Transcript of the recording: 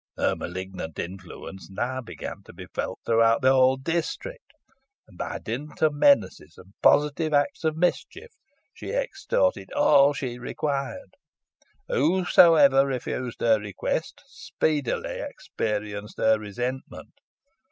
Her malignant influence now began to be felt throughout the whole district, and by dint of menaces and positive acts of mischief, she extorted all she required. Whosoever refused her requests speedily experienced her resentment.